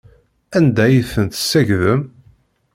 Anda ay tent-tessagdem?